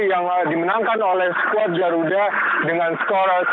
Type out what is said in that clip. yang dimenangkan oleh squad garuda dengan skor tiga dua